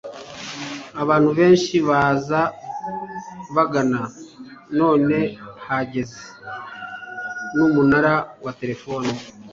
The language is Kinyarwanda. abantu benshi baza bagana, none hageze n'umunara wa telefoni